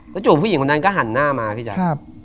จู่ผู้หญิงคนนั้นก็หันหน้ามาพี่แจ๊ค